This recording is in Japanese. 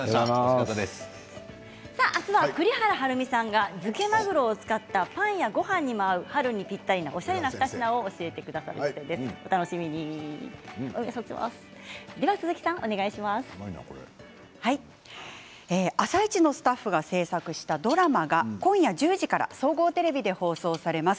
明日は栗原はるみさんが漬けまぐろを使ったパンやごはんにも合う春にぴったりなおしゃれな２品を「あさイチ」のスタッフが制作したドラマが今夜１０時から総合テレビで放送されます。